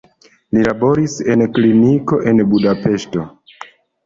Li laboris en kliniko en Budapeŝto.